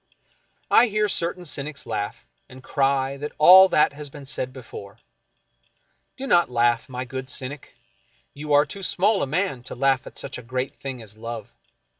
I hear certain cynics laugh, and cry that all that has been said before. Do not laugh, my good cynic. You are too small a man to laugh at such a great thing as love.